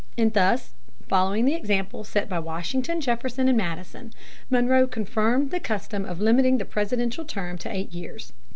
In thus following the example set by Washington, Jefferson, and Madison, Monroe confirmed the custom of limiting the presidential term to eight years.